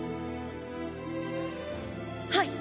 はい！